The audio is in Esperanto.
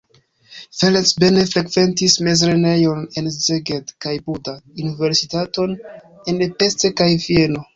Ferenc Bene frekventis mezlernejojn en Szeged kaj Buda, universitaton en Pest kaj Vieno.